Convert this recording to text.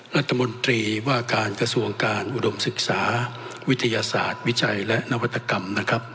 รัฐมนตรีว่าการกระทรวงการอุดมศึกษาวิทยาศาสตร์วิจัยและนวัตกรรมนะครับ